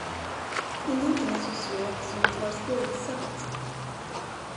Ingenting är så svårt som att vara skuldsatt.